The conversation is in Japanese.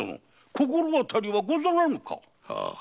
心当たりはござらぬか？